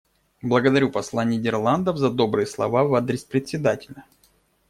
Благодарю посла Нидерландов за добрые слова в адрес Председателя.